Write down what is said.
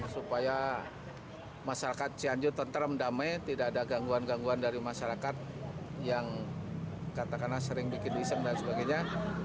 supaya masyarakat cianjur tenter mendamai tidak ada gangguan gangguan dari masyarakat yang katakanlah sering bikin iseng dan sebagainya